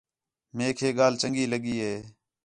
میک ہے ڳالھ چنڳی لڳی ہِے